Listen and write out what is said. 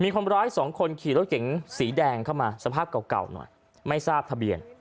คนร้ายสองคนขี่รถเก๋งสีแดงเข้ามาสภาพเก่าหน่อยไม่ทราบทะเบียน